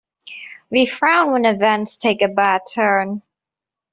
We frown when events take a bad turn.